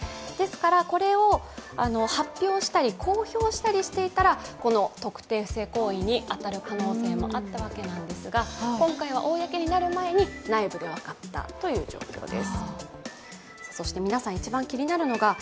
これを発表したり、公表したりしていたら、この特定不正行為に当たる可能性もあったわけなんですが、今回は公になる前に内部で分かったという状況です。